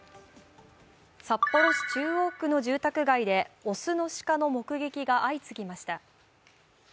札幌市中央区の住宅街で雄の鹿の目撃が相次ぎました。